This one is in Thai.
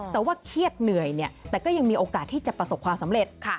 แต่ว่าเครียดเหนื่อยแต่ก็ยังมีโอกาสที่จะประสบความสำเร็จ